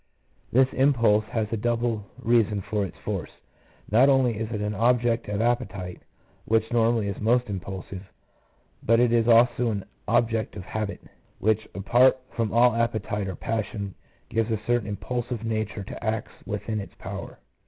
This impulse has a double reason for its force: not only is it an object of appetite, which normally is most impulsive, but it is also an object of habit, which apart from all appetite or passion gives a certain impulsive nature to acts within its power.